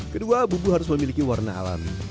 kedua bumbu harus memiliki warna alami